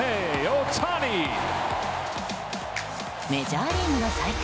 メジャーリーグの祭典